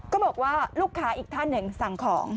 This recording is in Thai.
บอกว่าลูกค้าอีกท่านหนึ่งสั่งของ